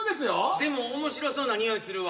でも面白そうなにおいするわ。